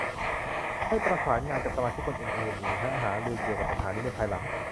ให้ประสานงานกับสมาชิกคนอื่น ๆ และหารือเกี่ยวกับปัญหานี้ในภายหลัง